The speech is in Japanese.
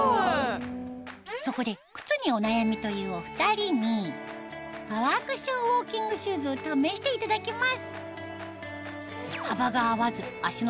そこで靴にお悩みというお２人にパワークッションウォーキングシューズを試していただきます